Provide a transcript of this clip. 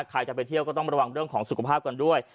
ใครจะไปเที่ยวก็ต้องระวังเรื่องของสุขภาพกันด้วย